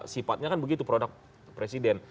sifatnya kan begitu produk presiden